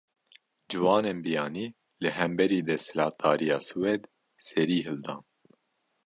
Ciwanên biyanî, li hemberî desthilatdariya Swêd serî hildan